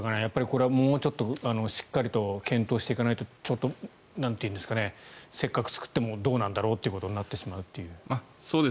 これはもうちょっとしっかりと検討していかないとせっかく作ってもどうなんだろうっていうことになってしまうという。